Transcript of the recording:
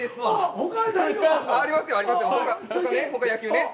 他野球ね。